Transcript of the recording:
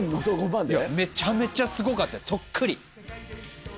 めちゃめちゃすごかったです。